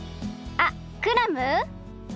あっクラム？